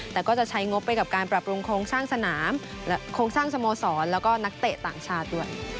แต่ก็จะใช้งบไปกับการปรับปรุงโครงสร้างสนามและโครงสร้างสโมสรแล้วก็นักเตะต่างชาติด้วย